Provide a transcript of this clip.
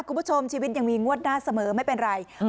คุณผู้ชมชีวิตยังมีงวดหน้าเสมอไม่เป็นไร